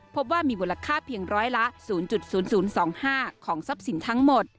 พบว่ามีมูลค่าเพียงร้อยละ๐๐๒๕ของทรัพย์สินทั้งหมด